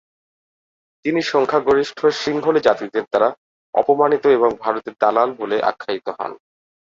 তিনি সংখ্যাগরিষ্ঠ সিংহলী জাতিদের দ্বারা অপমানিত এবং ভারতের দালাল বলে আখ্যায়িত হন।